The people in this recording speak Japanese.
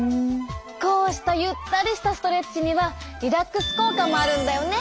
こうしたゆったりしたストレッチにはリラックス効果もあるんだよね。